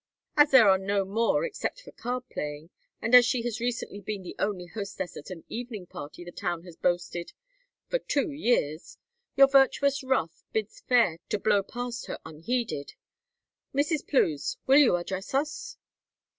"As there are no more except for card playing, and as she has recently been the only hostess at an evening party the town has boasted for two years, your virtuous wrath bids fair to blow past her unheeded. Mrs. Plews, will you address us?"